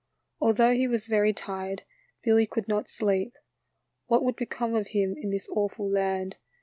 Although he was very tired, Billy could not sleep. What would become of him in this awful land?